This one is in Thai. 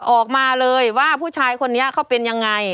ออกมาเลยว่าผู้ชายคนนี้เขาเป็นยังไง